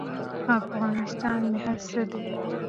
افغانستان مې هر څه دی.